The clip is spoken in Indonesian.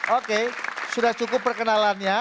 oke sudah cukup perkenalannya